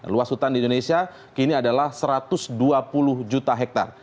luas hutan di indonesia kini adalah satu ratus dua puluh juta hektare